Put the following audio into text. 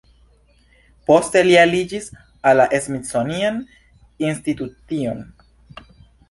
Poste li aliĝis al la "Smithsonian Institution".